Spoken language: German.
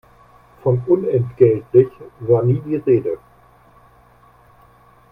Von unentgeltlich war nie die Rede.